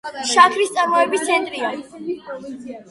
შაქრის წარმოების ცენტრია.